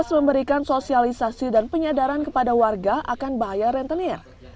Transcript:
memberikan sosialisasi dan penyadaran kepada warga akan bahaya rentenir